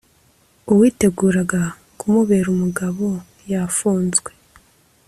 uwiteguraga kumubera umugabo yafunzwe